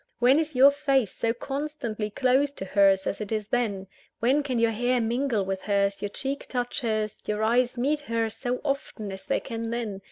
When is your face so constantly close to hers as it is then? when can your hair mingle with hers, your cheek touch hers, your eyes meet hers, so often as they can then?